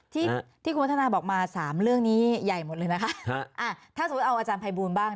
ที่ที่คุณวัฒนาบอกมาสามเรื่องนี้ใหญ่หมดเลยนะคะอ่าถ้าสมมุติเอาอาจารย์ภัยบูลบ้าง